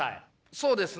そうですね。